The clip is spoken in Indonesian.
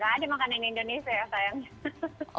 gak ada makanan indonesia ya sayangnya